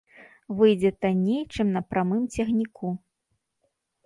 Выйдзе танней, чым на прамым цягніку.